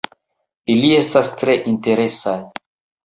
Ili estas tre interesaj